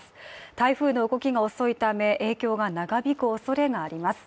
台風の動きが遅いため影響が長引くおそれがあります。